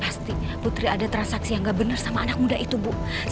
pasti putri ada transaksi yang gak bener sama anak muda itu ya